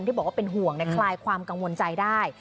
บอกว่าเป็นห่วงคลายความกังวลใจได้